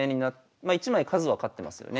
まあ１枚数は勝ってますよね。